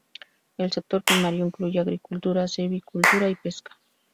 El sector primario incluye agricultura, silvicultura, y pesca.